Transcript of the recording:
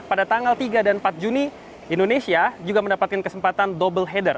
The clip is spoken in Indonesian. dan pada tanggal tiga dan empat juni indonesia juga mendapatkan kesempatan double header